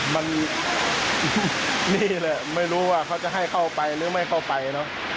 มันนี่แหละไม่รู้ว่าเขาจะให้เข้าไปหรือไม่เข้าไปเนอะ